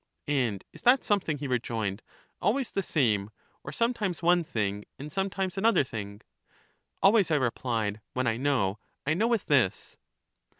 And is that something, he rejoined, always the same, or sometimes one thing, and sometimes another thing? Always, I replied, when I know, I know with this.